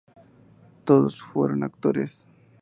Todos fueron actores.